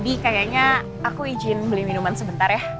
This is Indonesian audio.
kayaknya aku izin beli minuman sebentar ya